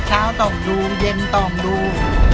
เช้าต้องดูเย็นต้องดู